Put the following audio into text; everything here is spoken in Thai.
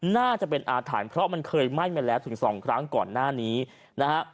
น่าจะเป็นอาถรรพ์เพราะมันเคยไหม้มาแล้วถึงสองครั้งก่อนหน้านี้นะฮะ